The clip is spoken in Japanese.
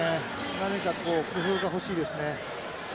何かこう工夫が欲しいですね。